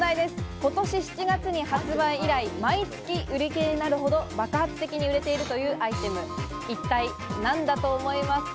今年７月に発売以来、毎月、売りきれになるほど爆発的に売れているというアイテム、一体何だと思いますか？